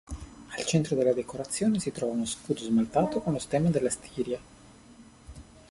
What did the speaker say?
Al centro della decorazione si trova uno scudo smaltato con lo stemma della Stiria.